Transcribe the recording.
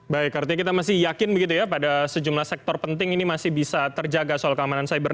baik artinya kita masih yakin begitu ya pada sejumlah sektor penting ini masih bisa terjaga soal keamanan cyber